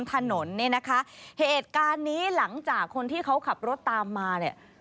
ถนนเนี่ยนะคะเหตุการณ์นี้หลังจากคนที่เขาขับรถตามมาเนี่ย